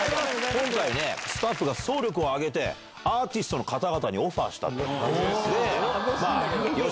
今回ね、スタッフが総力をあげて、アーティストの方々にオファーしたんですよ。